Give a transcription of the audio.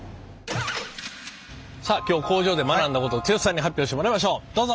さあ今日工場で学んだことを剛さんに発表してもらいましょうどうぞ。